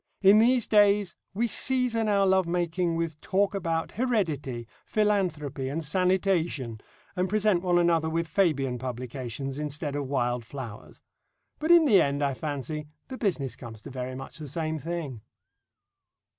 In these days we season our love making with talk about heredity, philanthropy, and sanitation, and present one another with Fabian publications instead of wild flowers. But in the end, I fancy, the business comes to very much the same thing.